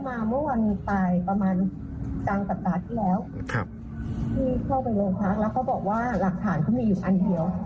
มาเมื่อวันตายประมาณกลางสัปดาห์ที่แล้วครับที่เข้าไปโรงพักแล้วเขาบอกว่าหลักฐานเขามีอยู่อันเดียว